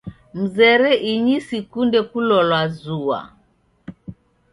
Mzere inyi sikunde kulolwa zua.